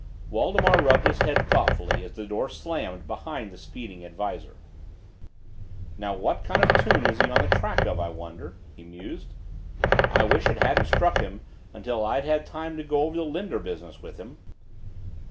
Waldemar rubbed his head thoughtfully as the door slammed behind the speeding Ad Visor. "Now, what kind of a tune is he on the track of, I wonder?" he mused. "I wish it hadn't struck him until I'd had time to go over the Linder business with him."